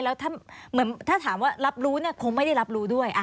แล้วถ้าเหมือนถ้าถามว่ารับรู้คงไม่ได้รับรู้ด้วย